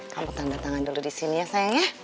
kamu tanda tangan dulu disini ya sayang ya